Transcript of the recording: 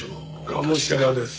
鴨志田です。